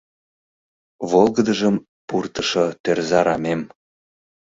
Волгыдыжым пуртышо тӧрза рамем -